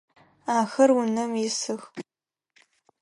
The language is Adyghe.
Ахэр унэм исых.